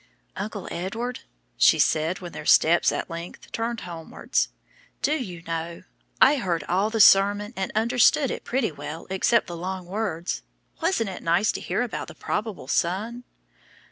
"Uncle Edward," she said, when their steps at length turned homewards, "do you know, I heard all the sermon, and understood it pretty well except the long words. Wasn't it nice to hear about the probable son?"